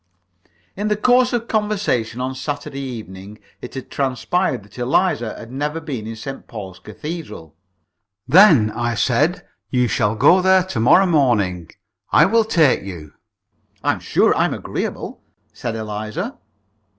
43 In the course of conversation on Saturday evening it had transpired that Eliza had never been in St. Paul's Cathedral. "Then," I said, "you shall go there to morrow morning; I will take you." "I'm sure I'm agreeable," said Eliza.